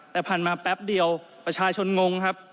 แต่ผ่านมาแป๊บเดียวประชาชนงงครับ